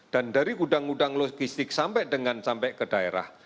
dan dari udang udang logistik sampai dengan sampai ke daerah